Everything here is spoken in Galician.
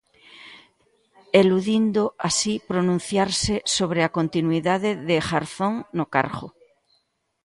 Eludindo así pronunciarse sobre a continuidade de Garzón no cargo.